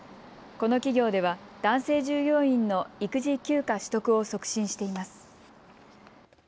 この企業では男性従業員の育児休暇取得を促進しています。